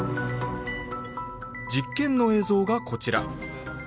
実験の映像がこちら。